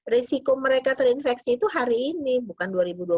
risiko mereka terinfeksi itu hari ini bukan dua ribu dua puluh satu